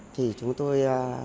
thì chúng tôi